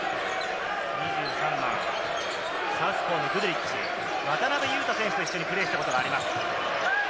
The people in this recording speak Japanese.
サウスポーのグドゥリッチ、渡邊雄太選手とプレーしたことがあります。